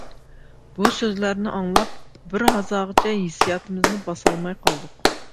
بۇ سۆزلەرنى ئاڭلاپ، بىر ھازاغىچە ھېسسىياتىمىزنى باسالماي قالدۇق.